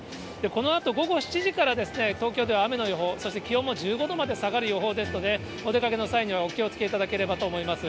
このあと午後７時から東京では雨の予報、そして気温も１５度まで下がる予報ですので、お出かけの際にはお気をつけいただければと思います。